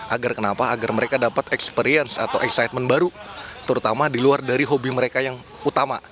agar kenapa agar mereka dapat experience atau excitement baru terutama di luar dari hobi mereka yang utama